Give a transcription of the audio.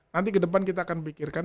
nanti ke depan kita akan pikirkan